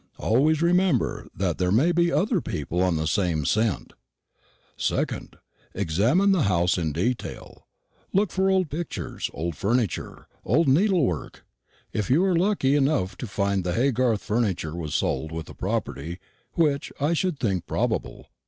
Always remember that there may be other people on the same scent. "2nd. Examine the house in detail; look for old pictures, old furniture, old needlework if you are lucky enough to find the Haygarth furniture was sold with the property, which I should think probable.